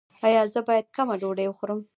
ایا زه باید کمه ډوډۍ وخورم؟